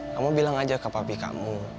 kamu bilang aja ke pabrik kamu